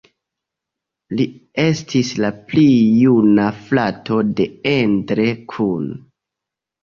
Li estis la pli juna frato de Endre Kun.